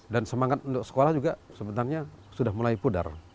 dan semangat untuk sekolah juga sebenarnya sudah mulai pudar